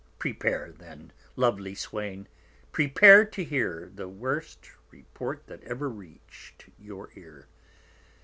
_Prepare then, lovely Swain; prepare to hear, The worst Report that ever reach'd your Ear.